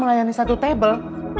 melayani satu tabel